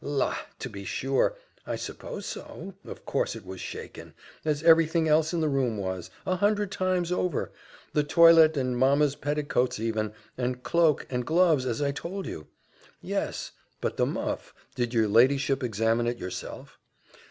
"La! to be sure I suppose so of course it was shaken, as every thing else in the room was, a hundred times over: the toilette and mamma's petticoats even, and cloak, and gloves, as I told you." "Yes, but the muff, did your ladyship examine it yourself?"